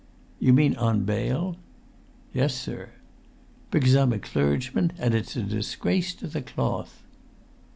[Pg 145]"You mean on bail?" "Yes, sir." "Because I'm a clergyman, and it's a disgrace to the cloth!"